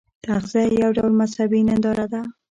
تعزیه یو ډول مذهبي ننداره ده.